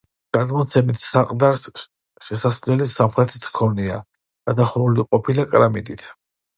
გადმოცემით საყდარს შესასვლელი სამხრეთიდან ჰქონია, გადახურული ყოფილა კრამიტით.